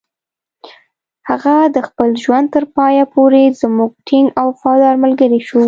هغه د خپل ژوند تر پایه پورې زموږ ټینګ او وفادار ملګری شو.